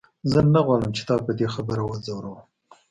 زه نه غواړم چې تا په دې خبره وځوروم.